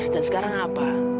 dan sekarang apa